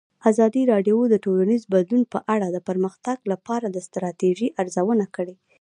ازادي راډیو د ټولنیز بدلون په اړه د پرمختګ لپاره د ستراتیژۍ ارزونه کړې.